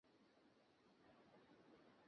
আমার কলমটা কাজে লেগেছে।